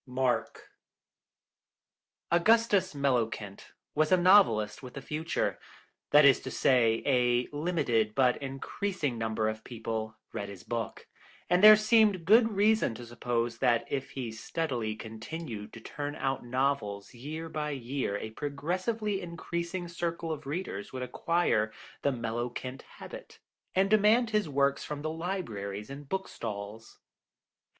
MARK Augustus Mellowkent was a novelist with a future; that is to say, a limited but increasing number of people read his books, and there seemed good reason to suppose that if he steadily continued to turn out novels year by year a progressively increasing circle of readers would acquire the Mellowkent habit, and demand his works from the libraries and bookstalls.